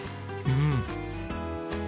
うん！